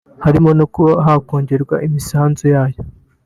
harimo no kuba hakongerwa imisanzu yayo